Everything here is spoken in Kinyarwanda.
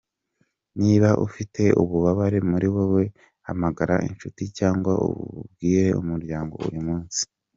Niba ufite ububabare muri wowe, hamagara inshuti cyangwa ubibwire umuryango uyu munsi.